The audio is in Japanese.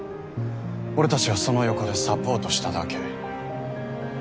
俺たちはその横でサポートしただけ。